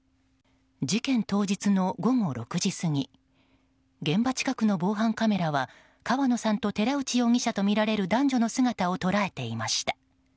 事件当日の午後６時過ぎ現場近くの防犯カメラは川野さんと寺内容疑者とみられる男女の姿を捉えていました。